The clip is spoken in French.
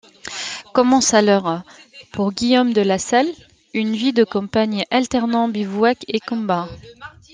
Commence alors, pour Guillaume de Lasalle, une vie de campagne, alternant bivouacs et combats.